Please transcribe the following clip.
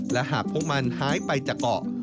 และหากพวกมันหายไปจากเกาะ